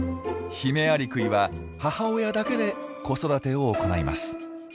ヒメアリクイは母親だけで子育てを行います。